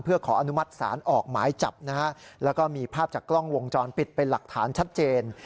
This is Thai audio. เพื่อขออนุมัติศาลออกหมายจับนะฮะแล้วก็มีภาพจากกล้องวงจรปิดเป็นหลักฐานชัดเจน